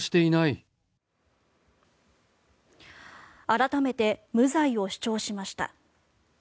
改めて無罪を主張しました。